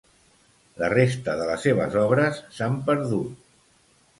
La resta de les seves obres s'han perdut.